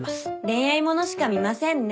恋愛物しか見ませんね。